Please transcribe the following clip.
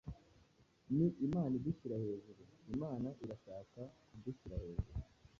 Ni Imana Idushyira hejuru! Imana irashaka kudushyira hejuru,